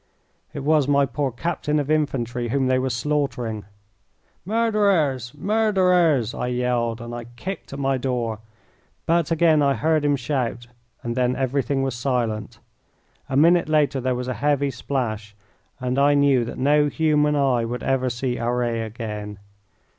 It was my poor captain of infantry whom they were slaughtering. "Murderers! Murderers!" I yelled, and I kicked at my door, but again I heard him shout and then everything was silent. A minute later there was a heavy splash, and I knew that no human eye would ever see Auret again.